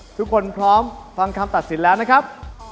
พร้อมฟังคำตัดสินแล้วนะครับ